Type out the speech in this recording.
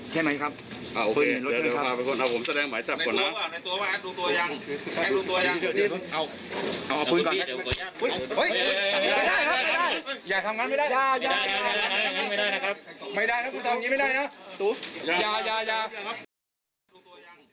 ใช่ไหมครับอ่าโอเคเอาผมแสดงหมายจับก่อนนะ